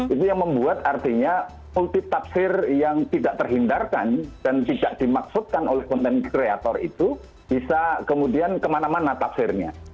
itu yang membuat artinya multitafsir yang tidak terhindarkan dan tidak dimaksudkan oleh konten kreator itu bisa kemudian kemana mana tafsirnya